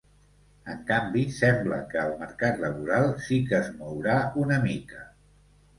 En canvi, sembla que el mercat laboral sí que es mourà una mica.